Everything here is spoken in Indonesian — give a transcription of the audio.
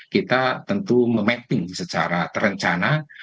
kita tentu memapping secara terencana